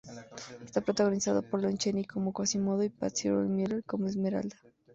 Está protagonizada por Lon Chaney como Quasimodo y Patsy Ruth Miller como Esmeralda.